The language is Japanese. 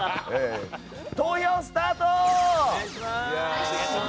投票スタート！